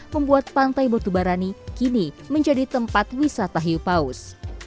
membuat pantai butubarani kini menjadi tempat wisata hiupaus